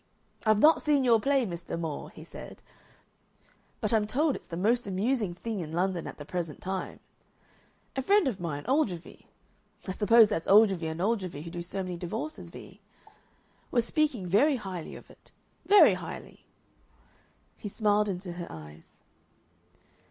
'I've not seen your play, Mr. More,' he said, 'but I'm told it's the most amusing thing in London at the present time. A friend of mine, Ogilvy' I suppose that's Ogilvy & Ogilvy, who do so many divorces, Vee? 'was speaking very highly of it very highly!'" He smiled into her eyes.